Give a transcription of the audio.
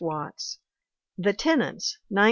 WATTS The Tenants, 1908.